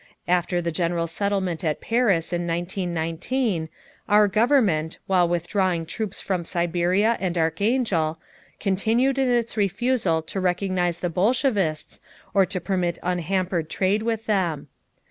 After the general settlement at Paris in 1919, our government, while withdrawing troops from Siberia and Archangel, continued in its refusal to recognize the Bolshevists or to permit unhampered trade with them.